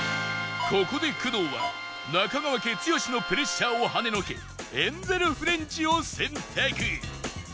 ここで工藤は中川家剛のプレッシャーをはねのけエンゼルフレンチを選択